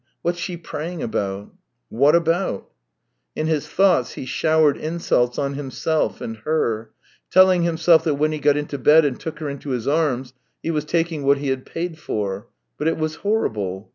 What's she praying about ? What about ?" In his thoughts he showered insults on himself and her, telling himself that when he got into bed and took her into his arms, he was taking what he had paid for; but it was horrible.